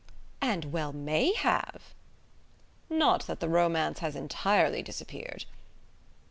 "And well may have!" "Not that the romance has entirely disappeared."